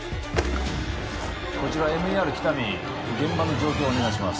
こちらＭＥＲ喜多見現場の状況をお願いします